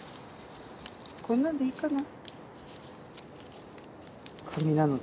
こんなんでいいかな？